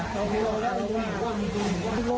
เขารู้แล้วว่ามันว่า